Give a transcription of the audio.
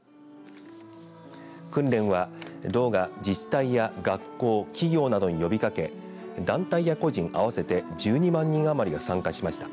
訓練は道が自治体や学校企業などに呼びかけ団体や個人、合わせて１２万人余りが参加しました。